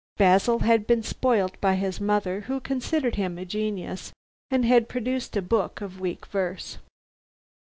Basil had been spoilt by his mother, who considered him a genius, and had produced a book of weak verse.